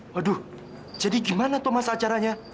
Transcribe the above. waduh jadi gimana tuh mas acaranya